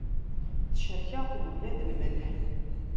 Tecrek-aɣ tgella d lemleḥ.